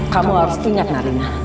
kamu harus ingat marina